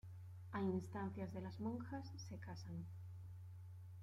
A instancias de las monjas se casan.